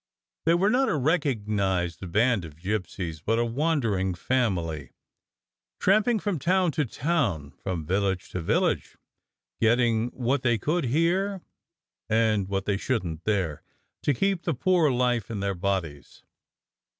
They were not a recognized band of gypsies, but a wandering family, tramping from town to town, from village to village, getting what they could here and what they shouldn't there, to keep the poor life in their bodies.